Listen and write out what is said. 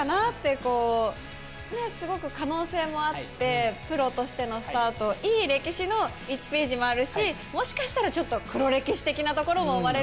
すごく可能性もあってプロとしてのスタートいい歴史の１ページもあるしもしかしたらちょっと黒歴史的なところも生まれるかもしれないし。